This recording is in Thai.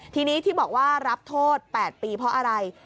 ทีนี้ที่บอกว่ารับโทษ๘ปีเพราะอะไร